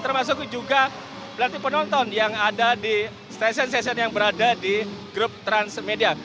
termasuk juga penonton yang ada di stesen stesen yang berada di grup transmedia